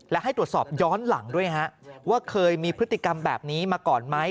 และให้ตรวจสอบย้อนหลังด้วยฮะว่าเคยมีพฤติกรรมแบบนี้มาก่อนไหม